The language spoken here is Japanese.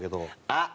あっ！